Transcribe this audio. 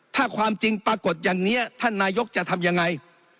ถ้าความจริงปรากฏอย่างนี้ท่านนายกจะทำยังไง